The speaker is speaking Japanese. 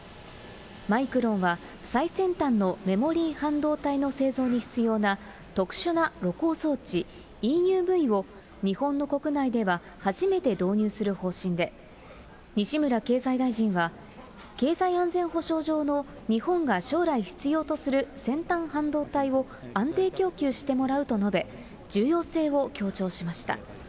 マイクロンは最先端のメモリー半導体の製造に必要な特殊な露光装置、ＥＵＶを、日本の国内では初めて導入する方針で、西村経産大臣は経済安全保障上の、日本が将来必要とする先端半導体を安定供給してもらうと述べ、重要性を強調しました。